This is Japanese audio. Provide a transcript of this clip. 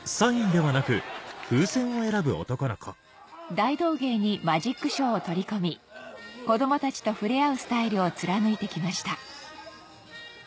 大道芸にマジックショーを取り込み子供たちと触れ合うスタイルを貫いて来ました